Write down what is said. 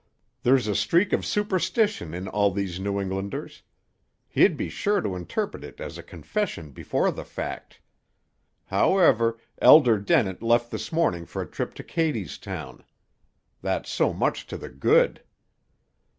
"There's a streak of superstition in all these New Englanders. He'd be sure to interpret it as a confession before the fact. However, Elder Dennett left this morning for a trip to Cadystown. That's so much to the good."